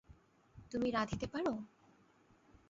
তুমি রাঁধিতে পার?